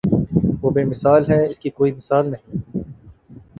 وہ بے مثال ہے اس کی کوئی مثال نہیں